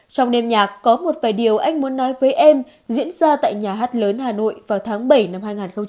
trong đêm nhạc có một vài điều anh muốn nói với em diễn ra tại nhà hát lớn hà nội vào tháng bảy năm hai nghìn hai mươi